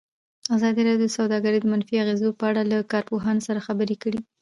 ازادي راډیو د سوداګري د منفي اغېزو په اړه له کارپوهانو سره خبرې کړي.